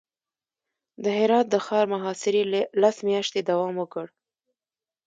د هرات د ښار محاصرې لس میاشتې دوام وکړ.